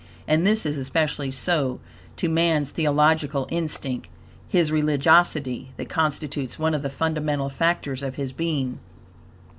And this is especially so, to man's theological instinct, his religiosity, that constitutes one of the fundamental factors of his being.